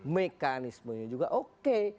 mekanismenya juga oke